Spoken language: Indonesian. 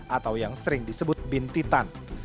atau yang sering disebut bintitan